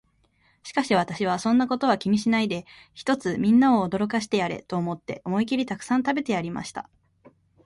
しかし私は、そんなことは気にしないで、ひとつみんなを驚かしてやれと思って、思いきりたくさん食べてやりました。